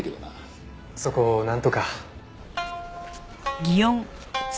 そこをなんとか。